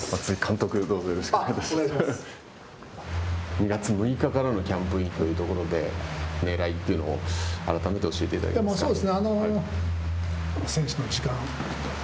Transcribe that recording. ２月６日からのキャンプインというところでねらいというのを改めて教えていただけますか。